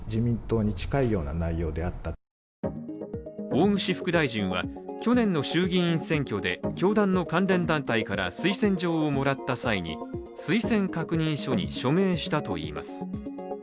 大串副大臣は、去年の衆議院選挙で教団の関連団体から推薦状をもらった際に推薦確認書に署名したといいます。